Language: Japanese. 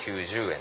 ９０円。